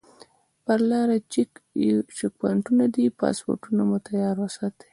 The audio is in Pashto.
پر لاره چیک پواینټونه دي پاسپورټونه مو تیار وساتئ.